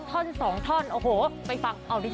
ก็๖วัน๖ล้านวิวค่ะ